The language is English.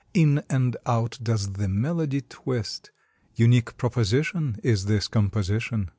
In and out does the melody twist Unique proposition Is this composition.